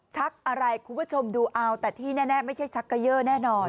อะไรคุณผู้ชมดูเอาแต่ที่แน่ไม่ใช่ชักเกยอร์แน่นอน